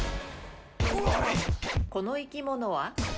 この生き物は？